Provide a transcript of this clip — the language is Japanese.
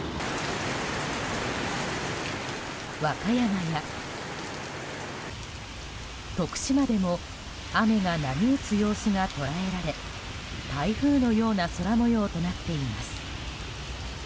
和歌山や徳島でも雨が波打つ様子が捉えられ台風のような空模様となっています。